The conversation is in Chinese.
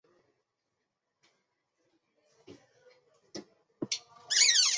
鉴于各会员国业已誓愿同联合国合作以促进对人权和基本自由的普遍尊重和遵行